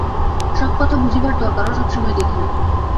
সব কথা বুঝিবার দরকারও সব সময়ে দেখি না।